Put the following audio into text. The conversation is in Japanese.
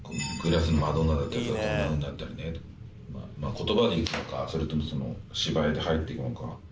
言葉でいくのかそれとも芝居で入っていくのか。